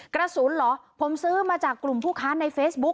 กระสุนเหรอผมซื้อมาจากกลุ่มผู้ค้าในเฟซบุ๊ค